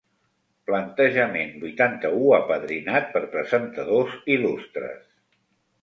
Plantejament vuitanta-u apadrinat per presentadors il·lustres.